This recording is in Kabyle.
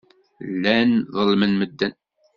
Llan ḍellmen medden.